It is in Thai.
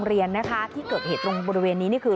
โรงเรียนเนี่ยคราวที่เกิดเหตุบริเวณนี้นี่คือ